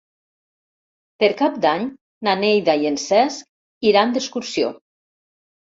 Per Cap d'Any na Neida i en Cesc iran d'excursió.